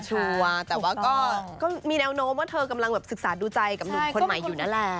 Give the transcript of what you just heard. เช็คก่อนแต่ก็มีแนวโน้มว่ากำลังศึกษาดูใจกับหนุ่มคนใหม่อยู่นั่นแหละ